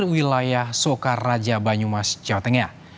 di wilayah sokar raja banyumas jawa tengah